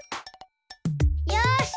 よし！